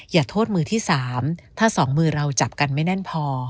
อย่าโทษมือที่๓ถ้า๒มือเราจับกันไม่แน่นพอ